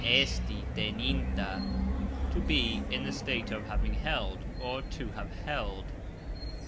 Esti teninta ................ To be (in the state of) having held, or, to have held.